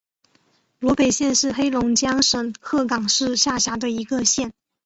萝北县是黑龙江省鹤岗市下辖的一个县。